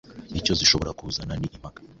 icyo zishobora kuzana ni impaka gusa;